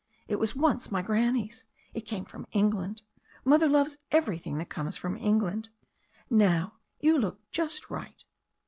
It was once my granny's. It came from England. Mother loves everything that comes from England. Now, you look just right."